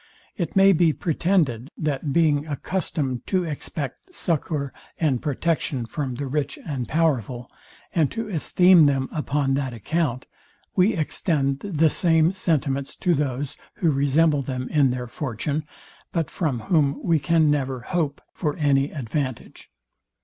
It may be pretended, that being accustomed to expect succour and protection from the rich and powerful, and to esteem them upon that account, we extend the same sentiments to those, who resemble them in their fortune, but from whom we can never hope for any advantage.